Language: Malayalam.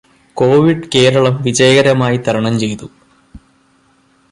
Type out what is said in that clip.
കോവിഡ് കേരളം വിജയകരമായി തരണം ചെയ്തു.